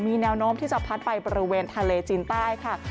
มีแนวโน้มที่จะพัดไปบริเวณทะเลจีนใต้ค่ะ